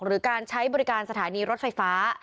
หรือการใช้บริการสถานีรถไฟฟ้า